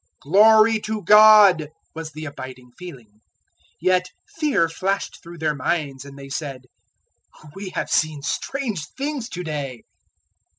"Glory to God!" was the abiding feeling. Yet fear flashed through their minds and they said, "We have seen strange things to day."